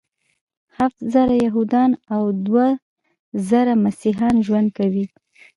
هفت زره یهودان او دوه زره مسیحیان ژوند کوي.